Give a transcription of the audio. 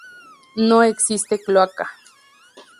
No existe cloaca.